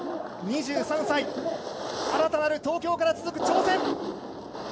２３歳、新たなる東京から続く挑戦。